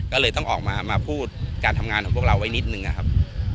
ก็เลยต้องออกมาพูดการทำงานของพวกเราไว้นิดนึงนะครับ